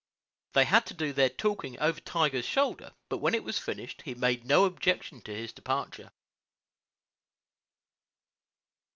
They had to do their talking over Tiger's shoulder; but when it was finished, he made no objection to his departure.